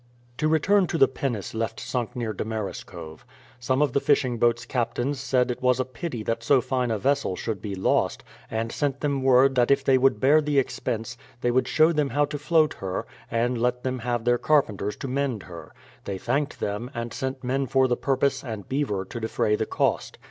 To return to the pinnace left sunk near Damariscove. Some of the fishing boats' captains said it was a pity that so fine a vessel should be lost, and sent them word that if they would bear the expense, they would show them how to float her, and let them have their carpenters to mend her. They thanked them, and sent men for the purpose and beaver to defray the cost.